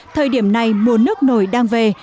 thời điểm này mùa nước nổi đang về